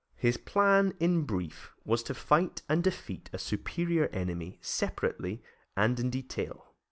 His plan, in brief; was to fight and defeat a superior enemy separately and in detail.